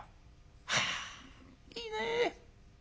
はあいいね。